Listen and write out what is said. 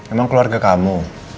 emang keluarga kamu